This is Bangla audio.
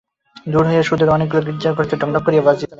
দূর হইতে সুদূরে অনেকগুলি গির্জার ঘড়িতে ঢং ঢং করিয়া তিনটা বাজিল।